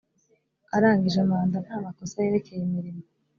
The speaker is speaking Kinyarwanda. arangije manda nta makosa yerekeye imirimo